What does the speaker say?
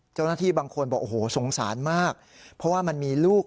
เจ้าหน้าที่บางคนบอกโอ้โหสงสารมาก